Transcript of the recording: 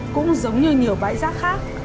cũng giống như nhiều bãi rác khác